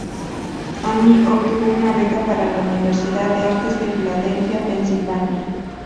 Amy obtuvo una beca para la Universidad de Artes en Filadelfia, Pensilvania.